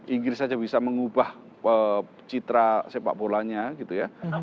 inggris saja bisa mengubah citra sepak bolanya gitu ya